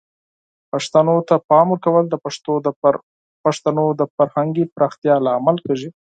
پښتو ته د پام ورکول د پښتنو د فرهنګي پراختیا لامل کیږي.